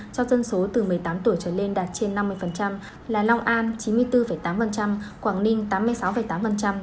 cho dân số từ một mươi tám tuổi trở lên đạt trên năm mươi là long an chín mươi bốn tám quảng ninh tám mươi sáu tám